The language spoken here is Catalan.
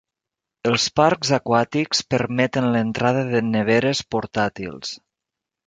Els parcs aquàtics permeten l'entrada de neveres portàtils.